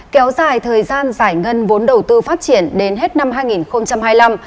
kéo dài thời gian giải ngân vốn đầu tư phát triển đến hết năm hai nghìn hai mươi năm